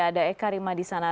ada eka rima di sana